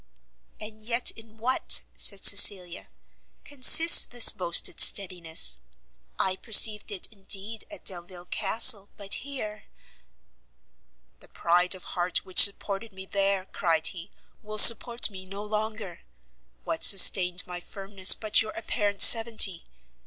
"And yet in what," said Cecilia, "consists this boasted steadiness? I perceived it indeed, at Delvile Castle, but here " "The pride of heart which supported me there," cried he, "will support me no longer; what sustained my firmness, but your apparent severity?